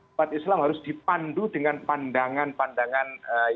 umat islam harus dipandu dengan pandangan pandangan